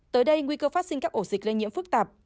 tới đây nguy cơ phát sinh các ổ dịch lây nhiễm phức tạp